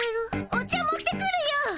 お茶持ってくるよ。